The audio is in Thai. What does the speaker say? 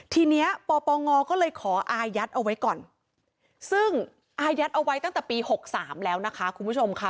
ทีนี้ปปงก็เลยขออายัดเอาไว้ก่อนซึ่งอายัดเอาไว้ตั้งแต่ปี๖๓แล้วนะคะคุณผู้ชมค่ะ